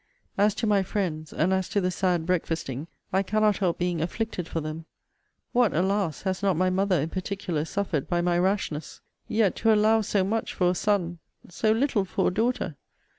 As to my friends, and as to the sad breakfasting, I cannot help being afflicted for them. What, alas! has not my mother, in particular, suffered by my rashness! Yet to allow so much for a son! so little for a daughter!